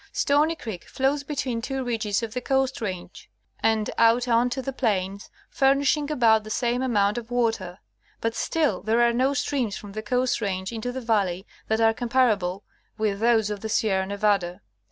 Stony Creek flows between two ridges of the Coast Range, and out on to the plains, furnishing about the same amount of water ; but still there are no streams from the Coast Range into the valley that are comparable with those of the Sierra Nevada.